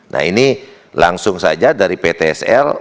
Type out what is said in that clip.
nah ini langsung saja dari ptsl